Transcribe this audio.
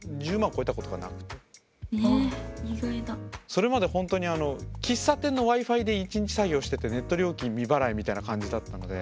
それまで本当に喫茶店のＷｉ−Ｆｉで一日作業しててネット料金未払いみたいな感じだったので。